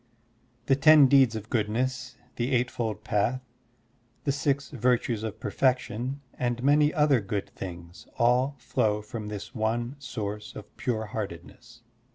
The ten deeds of goodness, the eightfold path, the six virtues of perfection, and many other good things all flow from this one source of pure heartedness.